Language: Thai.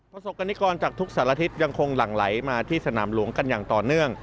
ประสบกรณิกรจากทุกสารทิศยังคงหลั่งไหลมาที่สนามหลวงกันอย่างต่อเนื่อง